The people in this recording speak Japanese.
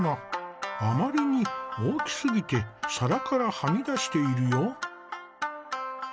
あまりに大きすぎて皿からはみ出しているよ。